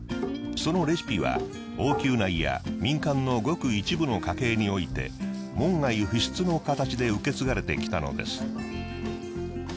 そのレシピは王宮内や民間のごく一部の家系において門外不出の形で受け継がれてきたのです。